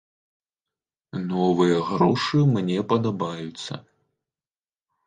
Новыя грошы мне падабаюцца.